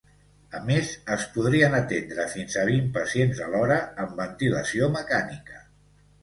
A més, es podrien atendre fins a vint pacients alhora amb ventilació mecànica.